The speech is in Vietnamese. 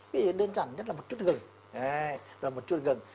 vì đơn giản nhất là một chút gừng và một chút gừng